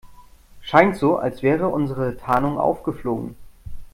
Scheint so, als wäre unsere Tarnung aufgeflogen.